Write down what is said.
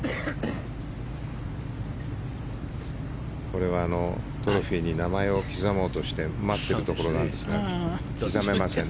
これはトロフィーに名前を刻もうとして待っているところなんですが刻めません。